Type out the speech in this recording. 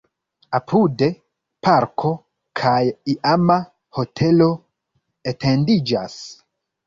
Apude parko kaj iama hotelo etendiĝas.